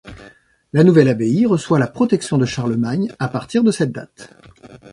La nouvelle abbaye reçoit la protection de Charlemagne à partir de cette date.